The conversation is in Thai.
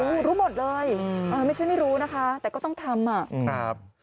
รู้รู้หมดเลยไม่ใช่ไม่รู้นะคะแต่ก็ต้องทำ